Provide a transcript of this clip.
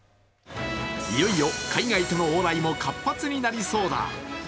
いよいよ海外との往来も活発になりそうだ。